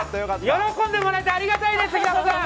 喜んでもらえてありがたいです平子さん！